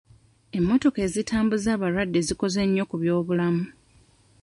Emmotoka ezitambuza abalwadde zikoze nnyo ku by'obulamu.